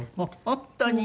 本当に？